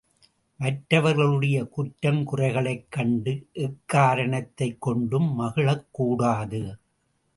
மற்றவர்களுடைய குற்றங் குறைகளைக் கண்டு எக்காரணத்தைக் கொண்டும் மகிழக் கூடாது.